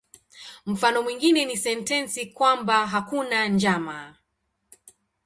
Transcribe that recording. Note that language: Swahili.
Mfano mwingine ni sentensi kwamba "hakuna njama".